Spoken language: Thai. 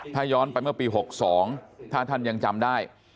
ถ้าย้อนไปเมื่อปี๖๒ถ้าท่านยังจำได้